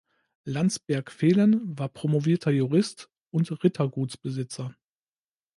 Landsberg-Velen war promovierter Jurist und Rittergutsbesitzer.